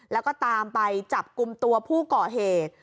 แล้วก็ตามไปจับกลุ่มตัวผู้ก่อเหตุ